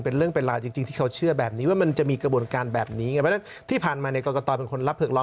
เพราะฉะนั้นที่ผ่านมากรกตเป็นคนรับเผิกร้อน